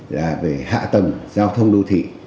là về hạ tầng giao thông đô thị